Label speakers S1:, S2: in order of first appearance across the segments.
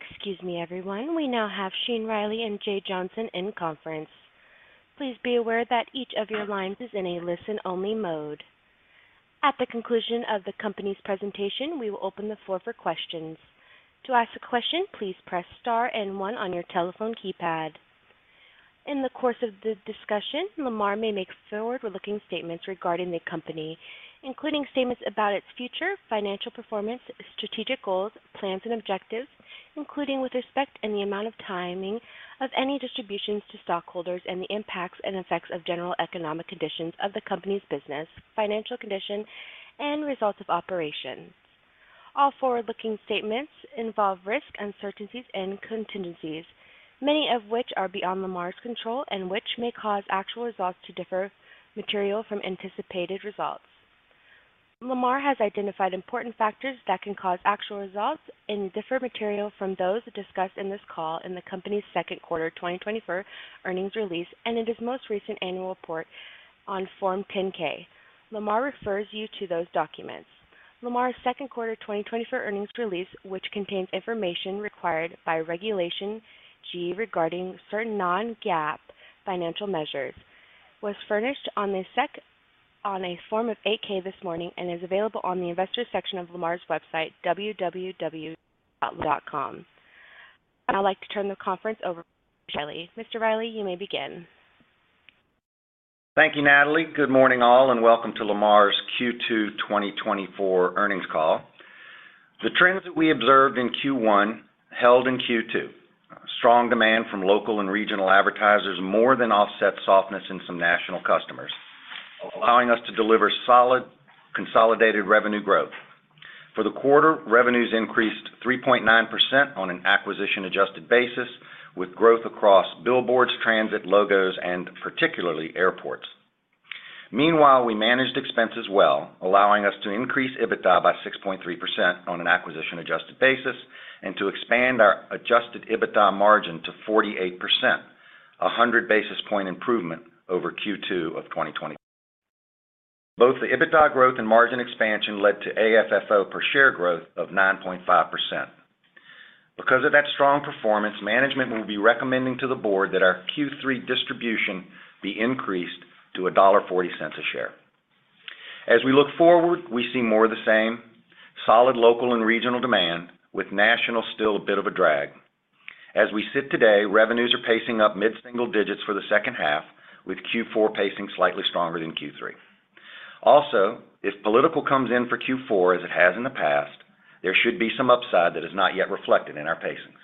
S1: Excuse me, everyone, we now have Sean Reilly and Jay Johnson in conference. Please be aware that each of your lines is in a listen-only mode. At the conclusion of the company's presentation, we will open the floor for questions. To ask a question, please press Star and One on your telephone keypad. In the course of the discussion, Lamar may make forward-looking statements regarding the company, including statements about its future, financial performance, strategic goals, plans, and objectives, including with respect and the amount of timing of any distributions to stockholders and the impacts and effects of general economic conditions of the company's business, financial condition, and results of operations. All forward-looking statements involve risks, uncertainties, and contingencies, many of which are beyond Lamar's control and which may cause actual results to differ materially from anticipated results. Lamar has identified important factors that can cause actual results to differ materially from those discussed in this call in the company's second quarter 2024 earnings release and in its most recent annual report on Form 10-K. Lamar refers you to those documents. Lamar's second quarter 2024 earnings release, which contains information required by Regulation G regarding certain non-GAAP financial measures, was furnished on the SEC on a Form 8-K this morning and is available on the investor section of Lamar's website, www.lamar.com. I'd like to turn the conference over to Sean Reilly. Mr. Reilly, you may begin.
S2: Thank you, Natalie. Good morning, all, and welcome to Lamar's Q2 2024 earnings call. The trends that we observed in Q1 held in Q2. Strong demand from local and regional advertisers more than offset softness in some national customers, allowing us to deliver solid consolidated revenue growth. For the quarter, revenues increased 3.9% on an acquisition-adjusted basis, with growth across billboards, transit, logos, and particularly airports. Meanwhile, we managed expenses well, allowing us to increase EBITDA by 6.3% on an acquisition-adjusted basis and to expand our adjusted EBITDA margin to 48%, a 100 basis point improvement over Q2 of 2020. Both the EBITDA growth and margin expansion led to AFFO per share growth of 9.5%. Because of that strong performance, management will be recommending to the board that our Q3 distribution be increased to $1.40 a share. As we look forward, we see more of the same: solid, local, and regional demand, with national still a bit of a drag. As we sit today, revenues are pacing up mid-single digits for the second half, with Q4 pacing slightly stronger than Q3. Also, if political comes in for Q4, as it has in the past, there should be some upside that is not yet reflected in our pacings.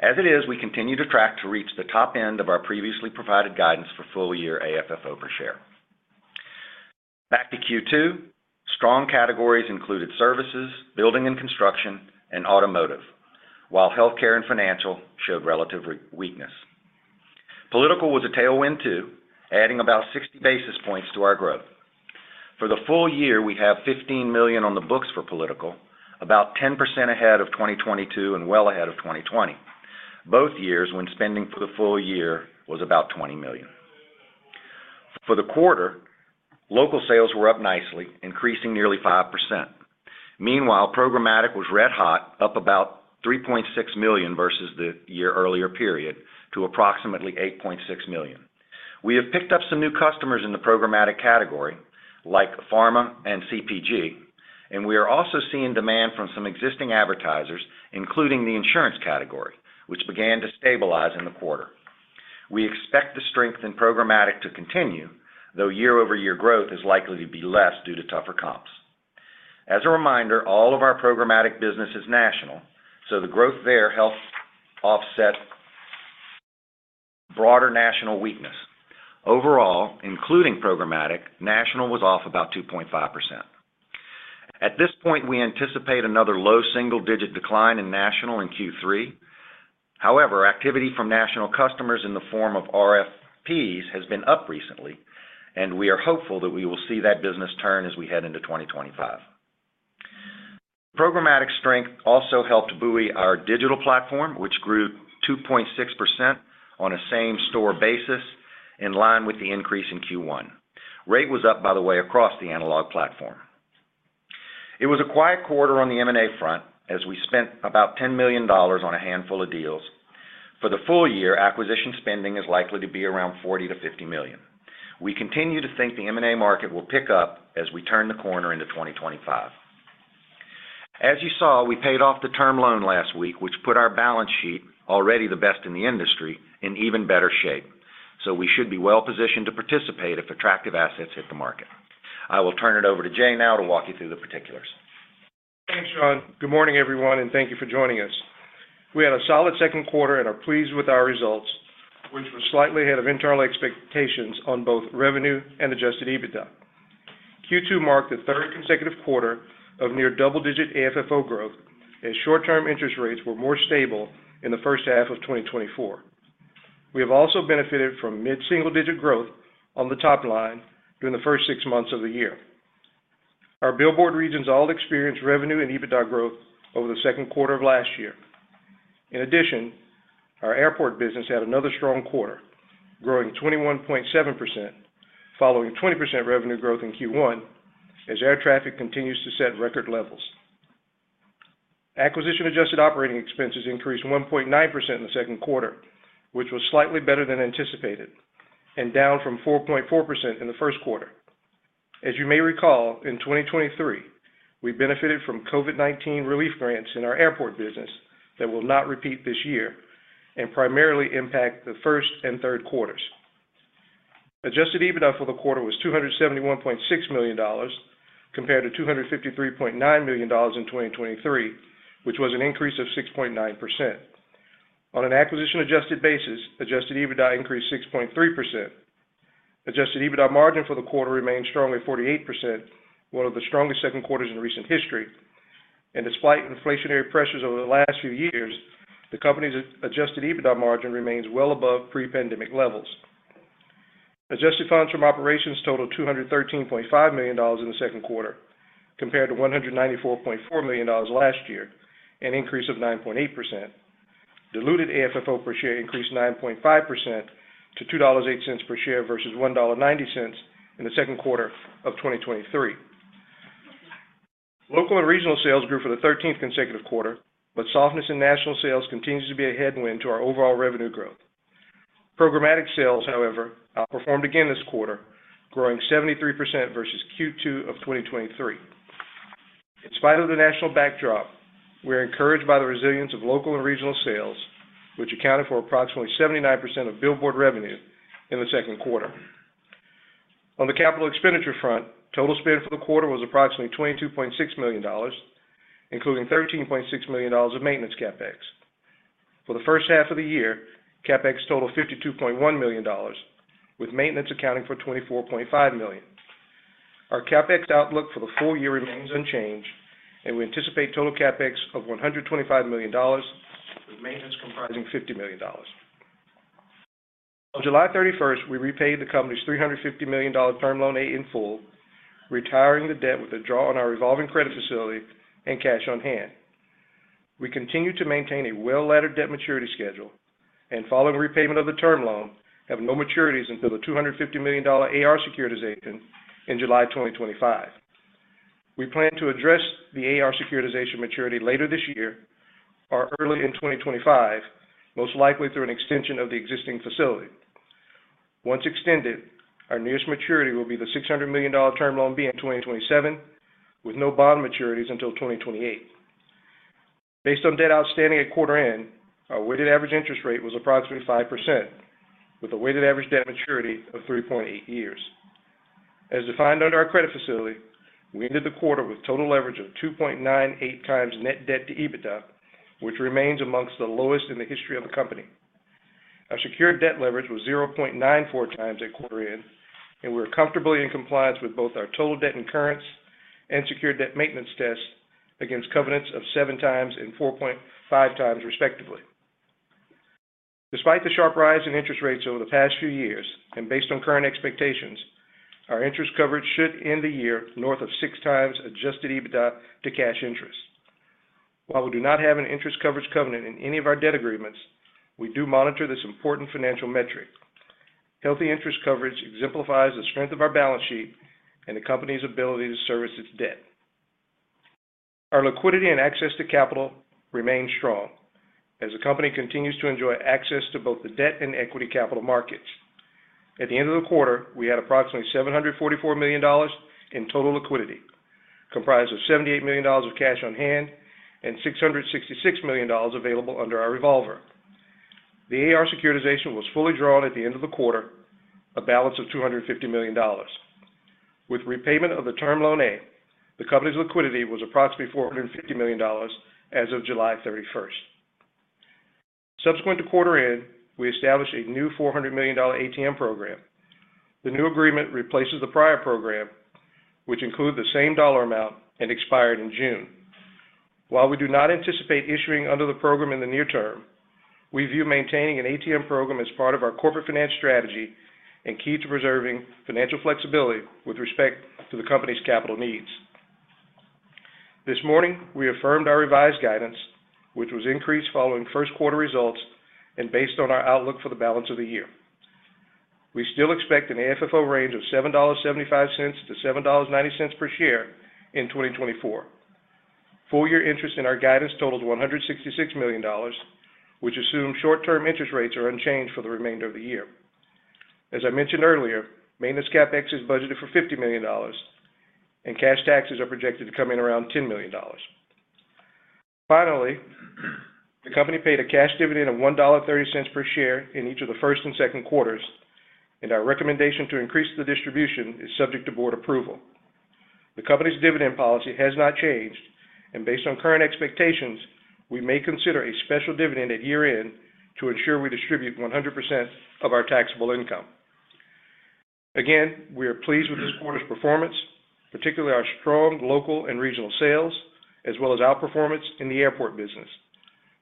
S2: As it is, we continue to track to reach the top end of our previously provided guidance for full-year AFFO per share. Back to Q2, strong categories included services, building and construction, and automotive, while healthcare and financial showed relative weakness. Political was a tailwind, too, adding about 60 basis points to our growth. For the full year, we have $15 million on the books for political, about 10% ahead of 2022 and well ahead of 2020, both years when spending for the full year was about $20 million. For the quarter, local sales were up nicely, increasing nearly 5%. Meanwhile, programmatic was red hot, up about $3.6 million versus the year earlier period to approximately $8.6 million. We have picked up some new customers in the programmatic category, like pharma and CPG, and we are also seeing demand from some existing advertisers, including the insurance category, which began to stabilize in the quarter. We expect the strength in programmatic to continue, though year-over-year growth is likely to be less due to tougher comps. As a reminder, all of our programmatic business is national, so the growth there helps offset broader national weakness. Overall, including programmatic, national was off about 2.5%. At this point, we anticipate another low single-digit decline in national in Q3. However, activity from national customers in the form of RFPs has been up recently, and we are hopeful that we will see that business turn as we head into 2025. Programmatic strength also helped buoy our digital platform, which grew 2.6% on a same store basis, in line with the increase in Q1. Rate was up, by the way, across the analog platform. It was a quiet quarter on the M&A front, as we spent about $10 million on a handful of deals. For the full year, acquisition spending is likely to be around $40 million-$50 million. We continue to think the M&A market will pick up as we turn the corner into 2025. As you saw, we paid off the term loan last week, which put our balance sheet, already the best in the industry, in even better shape. So we should be well positioned to participate if attractive assets hit the market. I will turn it over to Jay now to walk you through the particulars.
S3: Thanks, Sean. Good morning, everyone, and thank you for joining us. We had a solid second quarter and are pleased with our results, which were slightly ahead of internal expectations on both revenue and adjusted EBITDA. Q2 marked the third consecutive quarter of near double-digit AFFO growth, as short-term interest rates were more stable in the first half of 2024. We have also benefited from mid-single digit growth on the top line during the first six months of the year. Our billboard regions all experienced revenue and EBITDA growth over the second quarter of last year. In addition...... Our airport business had another strong quarter, growing 21.7%, following 20% revenue growth in Q1, as air traffic continues to set record levels. Acquisition-adjusted operating expenses increased 1.9% in the second quarter, which was slightly better than anticipated, and down from 4.4% in the first quarter. As you may recall, in 2023, we benefited from COVID-19 relief grants in our airport business that will not repeat this year and primarily impact the first and third quarters. Adjusted EBITDA for the quarter was $271.6 million, compared to $253.9 million in 2023, which was an increase of 6.9%. On an acquisition-adjusted basis, adjusted EBITDA increased 6.3%. Adjusted EBITDA margin for the quarter remained strong at 48%, one of the strongest second quarters in recent history, and despite inflationary pressures over the last few years, the company's adjusted EBITDA margin remains well above pre-pandemic levels. Adjusted funds from operations totaled $213.5 million in the second quarter, compared to $194.4 million last year, an increase of 9.8%. Diluted AFFO per share increased 9.5% to $2.08 per share versus $1.90 in the second quarter of 2023. Local and regional sales grew for the thirteenth consecutive quarter, but softness in national sales continues to be a headwind to our overall revenue growth. Programmatic sales, however, outperformed again this quarter, growing 73% versus Q2 of 2023. In spite of the national backdrop, we are encouraged by the resilience of local and regional sales, which accounted for approximately 79% of billboard revenue in the second quarter. On the capital expenditure front, total spend for the quarter was approximately $22.6 million, including $13.6 million of maintenance CapEx. For the first half of the year, CapEx totaled $52.1 million, with maintenance accounting for $24.5 million. Our CapEx outlook for the full year remains unchanged, and we anticipate total CapEx of $125 million, with maintenance comprising $50 million. On July 31, we repaid the company's $350 million Term Loan A in full, retiring the debt with a draw on our revolving credit facility and cash on hand. We continue to maintain a well-laddered debt maturity schedule, and following repayment of the term loan, have no maturities until the $250 million AR securitization in July 2025. We plan to address the AR securitization maturity later this year or early in 2025, most likely through an extension of the existing facility. Once extended, our nearest maturity will be the $600 million Term Loan B in 2027, with no bond maturities until 2028. Based on debt outstanding at quarter end, our weighted average interest rate was approximately 5%, with a weighted average debt maturity of 3.8 years. As defined under our credit facility, we ended the quarter with total leverage of 2.98 times Net Debt to EBITDA, which remains amongst the lowest in the history of the company. Our secured debt leverage was 0.94x at quarter end, and we're comfortably in compliance with both our total debt incurrence and secured debt maintenance tests against covenants of 7x and 4.5x, respectively. Despite the sharp rise in interest rates over the past few years, and based on current expectations, our interest coverage should end the year north of 6x Adjusted EBITDA to cash interest. While we do not have an interest coverage covenant in any of our debt agreements, we do monitor this important financial metric. Healthy interest coverage exemplifies the strength of our balance sheet and the company's ability to service its debt. Our liquidity and access to capital remain strong as the company continues to enjoy access to both the debt and equity capital markets. At the end of the quarter, we had approximately $744 million in total liquidity, comprised of $78 million of cash on hand and $666 million available under our revolver. The AR securitization was fully drawn at the end of the quarter, a balance of $250 million. With repayment of the term loan A, the company's liquidity was approximately $450 million as of July 31. Subsequent to quarter end, we established a new $400 million ATM program. The new agreement replaces the prior program, which included the same dollar amount and expired in June. While we do not anticipate issuing under the program in the near term, we view maintaining an ATM program as part of our corporate finance strategy and key to preserving financial flexibility with respect to the company's capital needs. This morning, we affirmed our revised guidance, which was increased following first quarter results and based on our outlook for the balance of the year. We still expect an AFFO range of $7.75-$7.90 per share in 2024. Full year interest in our guidance totaled $166 million, which assumes short-term interest rates are unchanged for the remainder of the year. As I mentioned earlier, maintenance CapEx is budgeted for $50 million, and cash taxes are projected to come in around $10 million. Finally, the company paid a cash dividend of $1.30 per share in each of the first and second quarters, and our recommendation to increase the distribution is subject to board approval. The company's dividend policy has not changed, and based on current expectations, we may consider a special dividend at year-end to ensure we distribute 100% of our taxable income. Again, we are pleased with this quarter's performance, particularly our strong local and regional sales, as well as outperformance in the airport business.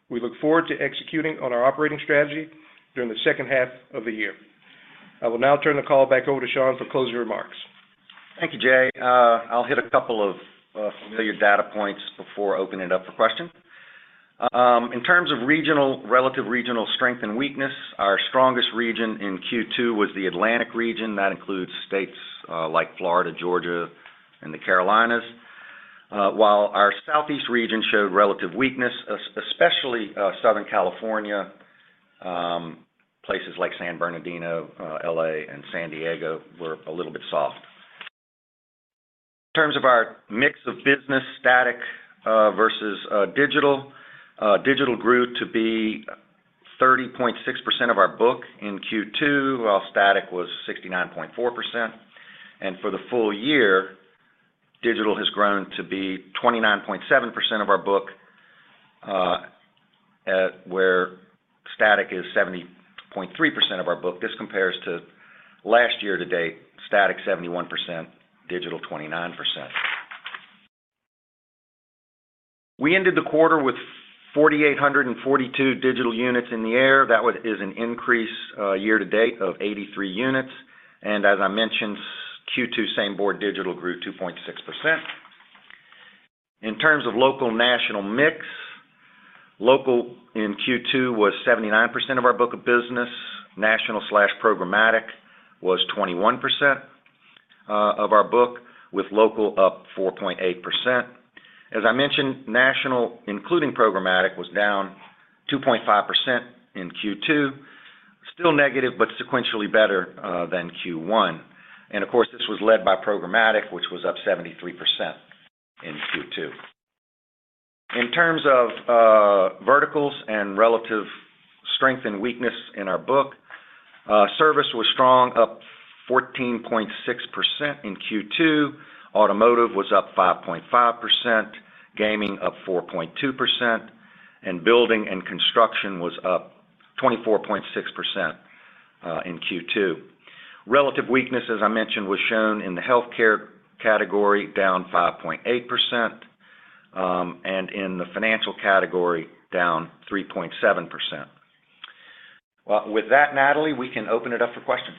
S3: We look forward to executing on our operating strategy during the second half of the year. I will now turn the call back over to Sean for closing remarks....
S2: Thank you, Jay. I'll hit a couple of familiar data points before opening it up for questions. In terms of relative regional strength and weakness, our strongest region in Q2 was the Atlantic region. That includes states like Florida, Georgia, and the Carolinas. While our Southeast region showed relative weakness, especially Southern California, places like San Bernardino, LA, and San Diego were a little bit soft. In terms of our mix of business, static versus digital, digital grew to be 30.6% of our book in Q2, while static was 69.4%. And for the full year, digital has grown to be 29.7% of our book, where static is 70.3% of our book. This compares to last year-to-date, static 71%, digital 29%. We ended the quarter with 4,842 digital units in the air. That one is an increase year-to-date of 83 units, and as I mentioned, Q2, same-board digital grew 2.6%. In terms of local-national mix, local in Q2 was 79% of our book of business. National/programmatic was 21% of our book, with local up 4.8%. As I mentioned, national, including programmatic, was down 2.5% in Q2, still negative, but sequentially better than Q1. And of course, this was led by programmatic, which was up 73% in Q2. In terms of verticals and relative strength and weakness in our book, service was strong, up 14.6% in Q2. Automotive was up 5.5%, gaming up 4.2%, and building and construction was up 24.6% in Q2. Relative weakness, as I mentioned, was shown in the healthcare category, down 5.8%, and in the financial category, down 3.7%. Well, with that, Natalie, we can open it up for questions.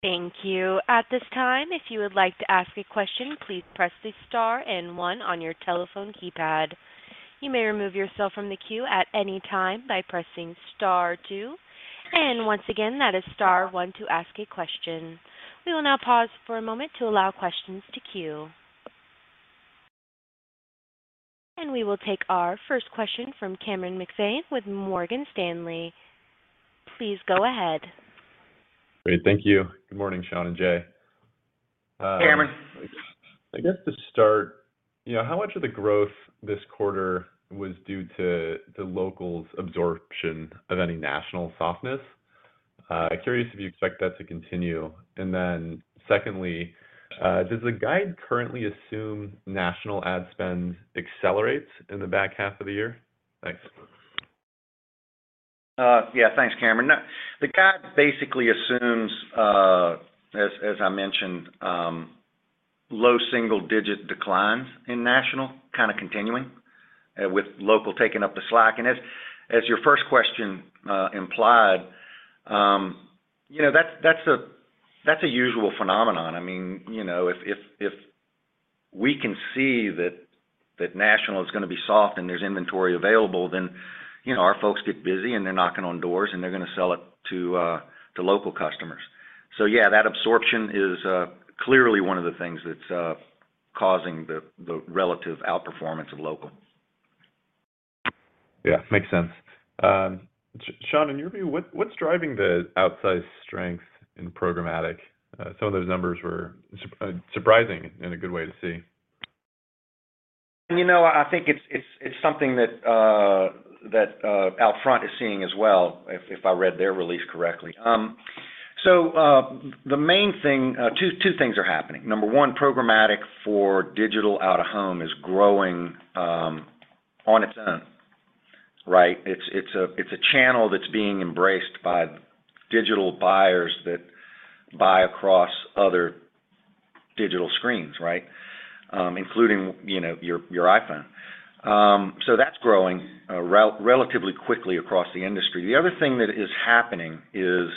S1: Thank you. At this time, if you would like to ask a question, please press the star and one on your telephone keypad. You may remove yourself from the queue at any time by pressing star two. And once again, that is star one to ask a question. We will now pause for a moment to allow questions to queue. We will take our first question from Cameron McVeigh with Morgan Stanley. Please go ahead.
S4: Great. Thank you. Good morning, Sean and Jay.
S2: Hey, Cameron.
S4: I guess to start, you know, how much of the growth this quarter was due to, to locals' absorption of any national softness? Curious if you expect that to continue. And then secondly, does the guide currently assume national ad spend accelerates in the back half of the year? Thanks.
S2: Yeah, thanks, Cameron. Now, the guide basically assumes, as I mentioned, low single-digit declines in national kind of continuing, with local taking up the slack. And as your first question implied, you know, that's a usual phenomenon. I mean, you know, if we can see that national is gonna be soft and there's inventory available, then, you know, our folks get busy and they're knocking on doors, and they're gonna sell it to local customers. So yeah, that absorption is clearly one of the things that's causing the relative outperformance of local.
S4: Yeah, makes sense. Sean, in your view, what's driving the outsized strength in programmatic? Some of those numbers were surprising in a good way to see.
S2: You know, I think it's something that OUTFRONT is seeing as well, if I read their release correctly. So, the main thing, 2 things are happening. Number 1, programmatic for digital out-of-home is growing on its own, right? It's a channel that's being embraced by digital buyers that buy across other digital screens, right? Including, you know, your iPhone. So that's growing relatively quickly across the industry. The other thing that is happening is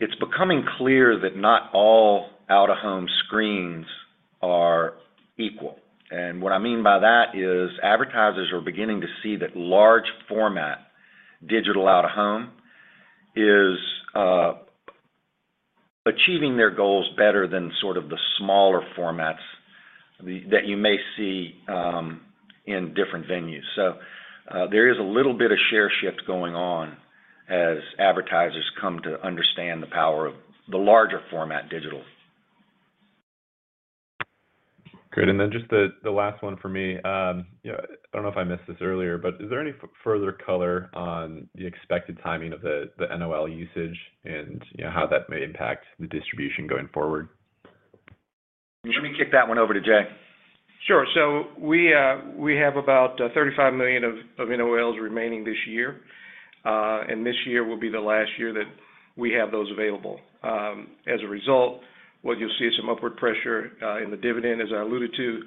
S2: it's becoming clear that not all out-of-home screens are equal. And what I mean by that is advertisers are beginning to see that large format, digital out-of-home is achieving their goals better than sort of the smaller formats that you may see in different venues. There is a little bit of share shift going on as advertisers come to understand the power of the large format digital.
S4: Great. And then just the last one for me, yeah, I don't know if I missed this earlier, but is there any further color on the expected timing of the NOL usage and, you know, how that may impact the distribution going forward?
S2: Let me kick that one over to Jay.
S3: Sure. So we have about $35 million of NOLs remaining this year. And this year will be the last year that we have those available. As a result- ...
S2: Well, you'll see some upward pressure in the dividend, as I alluded to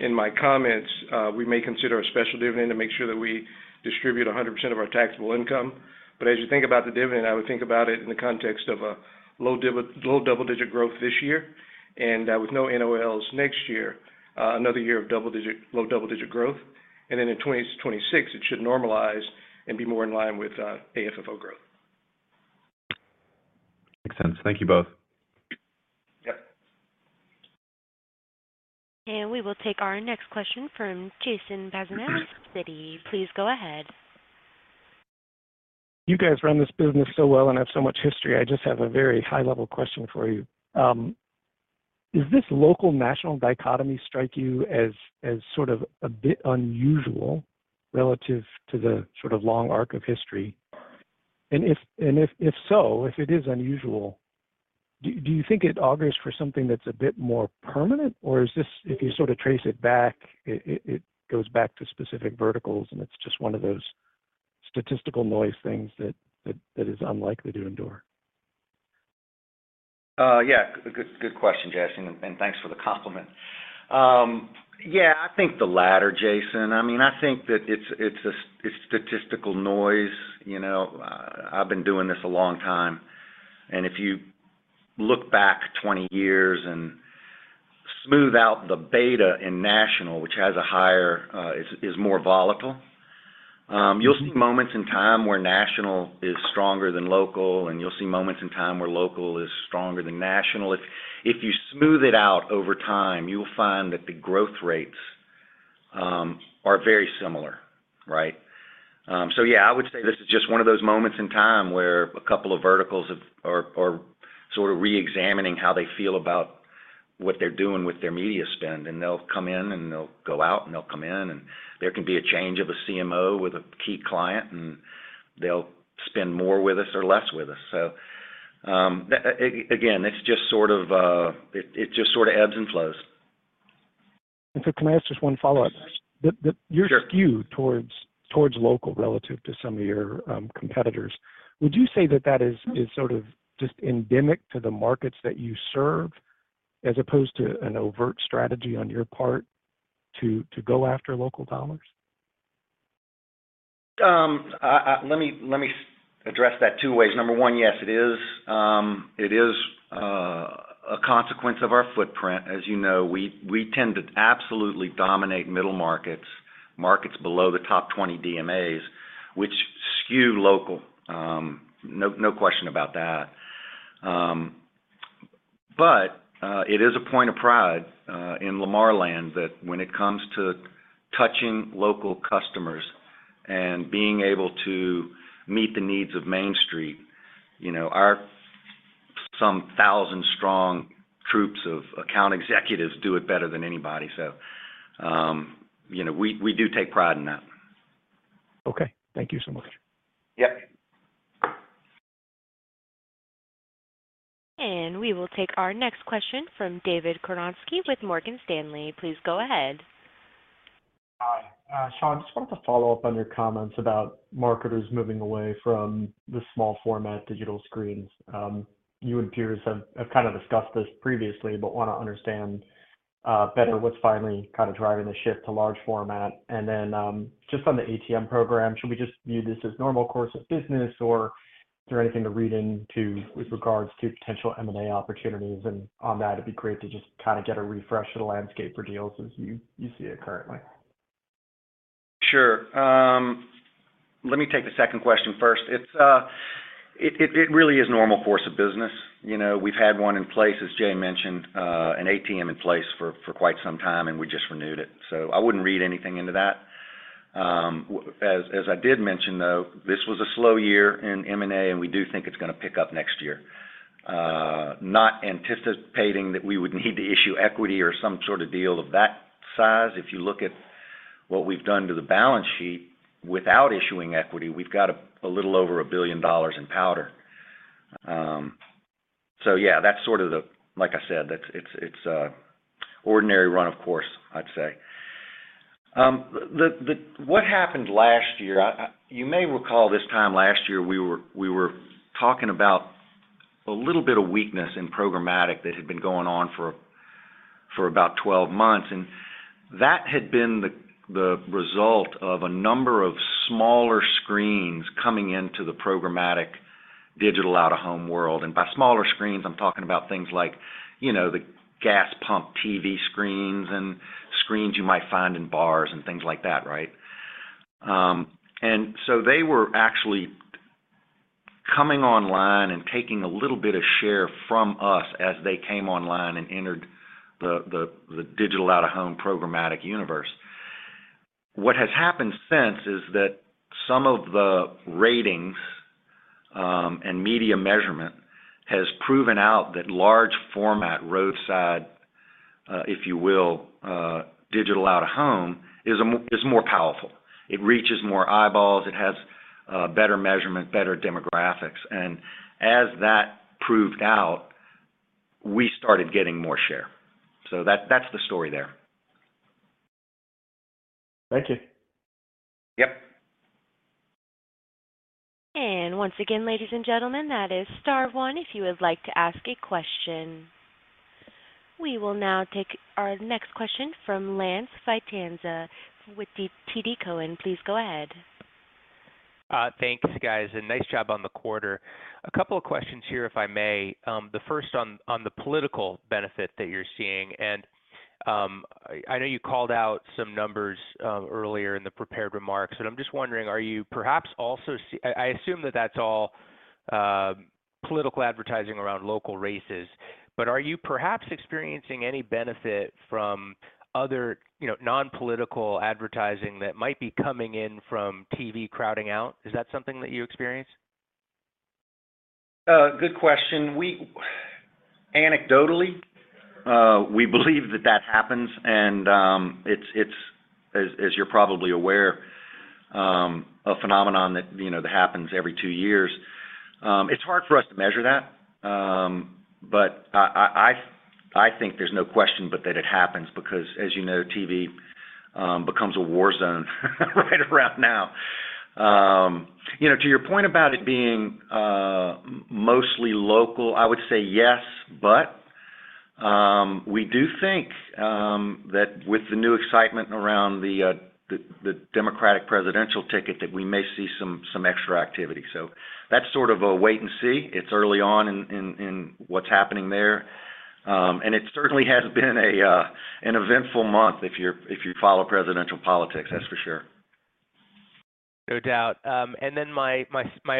S2: in my comments. We may consider a special dividend to make sure that we distribute 100% of our taxable income. But as you think about the dividend, I would think about it in the context of low double-digit growth this year, and with no NOLs next year, another year of low double-digit growth. And then in 2026, it should normalize and be more in line with AFFO growth.
S4: Makes sense. Thank you both.
S2: Yep.
S1: We will take our next question from Jason Bazinet, Citi. Please go ahead.
S5: You guys run this business so well and have so much history. I just have a very high-level question for you. Does this local, national dichotomy strike you as sort of a bit unusual relative to the sort of long arc of history? And if so, if it is unusual, do you think it augurs for something that's a bit more permanent, or is this, if you sort of trace it back, it goes back to specific verticals, and it's just one of those statistical noise things that is unlikely to endure?
S2: Yeah, good, good question, Jason, and thanks for the compliment. Yeah, I think the latter, Jason. I mean, I think that it's statistical noise. You know, I've been doing this a long time, and if you look back 20 years and smooth out the beta in national, which has a higher... it's more volatile, you'll see moments in time where national is stronger than local, and you'll see moments in time where local is stronger than national. If you smooth it out over time, you'll find that the growth rates are very similar, right? So yeah, I would say this is just one of those moments in time where a couple of verticals are sort of reexamining how they feel about what they're doing with their media spend, and they'll come in, and they'll go out, and they'll come in, and there can be a change of a CMO with a key client, and they'll spend more with us or less with us. So, that again, it's just sort of, it just sort of ebbs and flows.
S5: Can I ask just one follow-up?
S2: Sure.
S5: You're skewed towards local relative to some of your competitors. Would you say that that is sort of just endemic to the markets that you serve, as opposed to an overt strategy on your part to go after local dollars?
S2: Let me address that two ways. Number one, yes, it is a consequence of our footprint. As you know, we tend to absolutely dominate middle markets, markets below the top 20 DMAs, which skew local. No question about that. But it is a point of pride in Lamar land that when it comes to touching local customers and being able to meet the needs of Main Street, you know, our some thousand-strong troops of account executives do it better than anybody. So, you know, we do take pride in that.
S5: Okay. Thank you so much.
S2: Yep.
S1: We will take our next question from David Karnovsky with JPMorgan. Please go ahead.
S6: Hi. Sean, I just wanted to follow up on your comments about marketers moving away from the small format digital screens. You and peers have kind of discussed this previously, but want to understand better what's finally kind of driving the shift to large format. And then, just on the ATM program, should we just view this as normal course of business, or is there anything to read into with regards to potential M&A opportunities? And on that, it'd be great to just kind of get a refresh of the landscape for deals as you see it currently.
S2: Sure. Let me take the second question first. It's really normal course of business. You know, we've had one in place, as Jay mentioned, an ATM in place for quite some time, and we just renewed it, so I wouldn't read anything into that. As I did mention, though, this was a slow year in M&A, and we do think it's gonna pick up next year. Not anticipating that we would need to issue equity or some sort of deal of that size. If you look at what we've done to the balance sheet without issuing equity, we've got a little over $1 billion in powder. So yeah, that's sort of the—like I said, that's a ordinary run of course, I'd say. The... What happened last year, you may recall this time last year, we were talking about a little bit of weakness in programmatic that had been going on for about 12 months, and that had been the result of a number of smaller screens coming into the programmatic digital out-of-home world. And by smaller screens, I'm talking about things like, you know, the gas pump TV screens and screens you might find in bars and things like that, right? And so they were actually coming online and taking a little bit of share from us as they came online and entered the digital out-of-home programmatic universe. What has happened since is that some of the ratings and media measurement has proven out that large format, roadside, if you will, digital out-of-home is more powerful. It reaches more eyeballs, it has better measurement, better demographics. And as that proved out, we started getting more share. So that, that's the story there.
S6: Thank you.
S2: Yep....
S1: And once again, ladies and gentlemen, that is star one, if you would like to ask a question. We will now take our next question from Lance Vitanza with TD Cowen. Please go ahead.
S7: Thanks, guys, and nice job on the quarter. A couple of questions here, if I may. The first one on the political benefit that you're seeing, and I know you called out some numbers earlier in the prepared remarks, but I'm just wondering, are you perhaps also seeing—I assume that that's all political advertising around local races. But are you perhaps experiencing any benefit from other, you know, non-political advertising that might be coming in from TV crowding out? Is that something that you experience?
S2: Good question. We, anecdotally, we believe that that happens, and it's as you're probably aware, a phenomenon that, you know, that happens every two years. It's hard for us to measure that. But I think there's no question but that it happens, because, as you know, TV becomes a war zone right around now. You know, to your point about it being mostly local, I would say yes, but we do think that with the new excitement around the Democratic presidential ticket, that we may see some extra activity. So that's sort of a wait and see. It's early on in what's happening there. And it certainly has been an eventful month, if you follow presidential politics, that's for sure.
S7: No doubt. And then my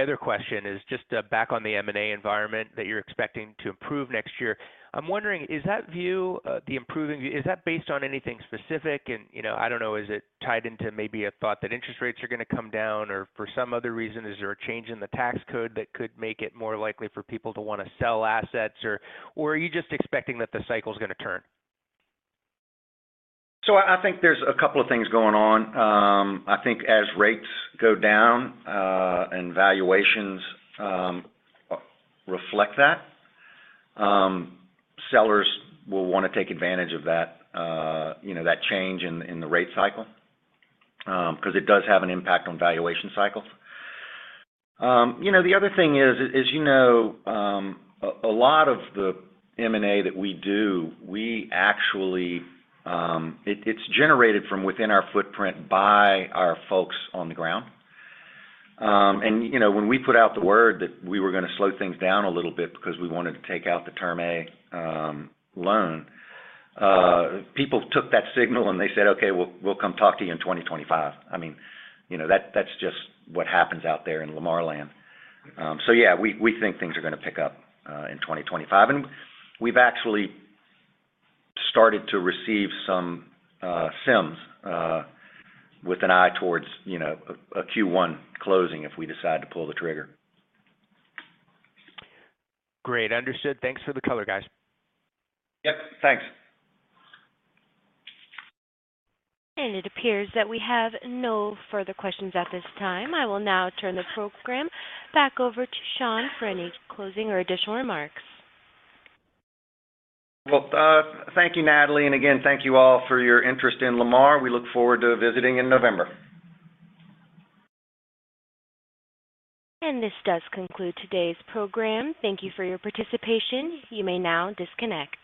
S7: other question is just back on the M&A environment that you're expecting to improve next year. I'm wondering, is that view, the improving view, is that based on anything specific? And, you know, I don't know, is it tied into maybe a thought that interest rates are gonna come down, or for some other reason, is there a change in the tax code that could make it more likely for people to wanna sell assets? Or are you just expecting that the cycle's gonna turn?
S2: So I think there's a couple of things going on. I think as rates go down, and valuations reflect that, sellers will wanna take advantage of that, you know, that change in the rate cycle, 'cause it does have an impact on valuation cycles. You know, the other thing is, as you know, a lot of the M&A that we do, we actually, it's generated from within our footprint by our folks on the ground. And, you know, when we put out the word that we were gonna slow things down a little bit because we wanted to take out the Term A loan, people took that signal, and they said, "Okay, we'll come talk to you in 2025." I mean, you know, that, that's just what happens out there in Lamar land. So yeah, we think things are gonna pick up in 2025. We've actually started to receive some CIMs with an eye towards, you know, a Q1 closing if we decide to pull the trigger.
S7: Great. Understood. Thanks for the color, guys.
S2: Yep, thanks.
S1: It appears that we have no further questions at this time. I will now turn the program back over to Sean for any closing or additional remarks.
S2: Well, thank you, Natalie, and again, thank you all for your interest in Lamar. We look forward to visiting in November.
S1: This does conclude today's program. Thank you for your participation. You may now disconnect.